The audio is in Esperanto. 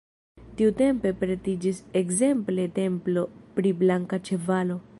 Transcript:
Tiutempe pretiĝis ekzemple templo pri Blanka Ĉevalo.